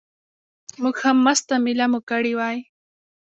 موږ ښه مسته مېله مو کړې وای.